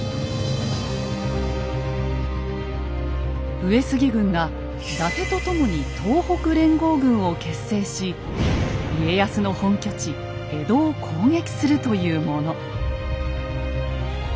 上杉軍が伊達と共に東北連合軍を結成し家康の本拠地・江戸を攻撃するというもの。